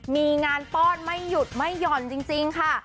มีงานป้อนไม่หยุดไม่หย่อนจริงค่ะ